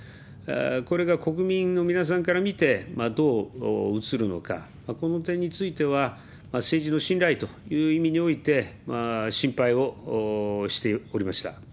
これが国民の皆さんから見てどう映るのか、この点については政治の信頼という意味において、心配をしておりました。